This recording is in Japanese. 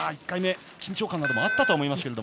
１回目、緊張感はあったと思います。